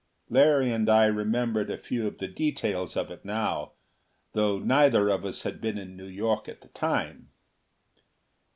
Larry and I remembered a few of the details of it now, though neither of us had been in New York at the time.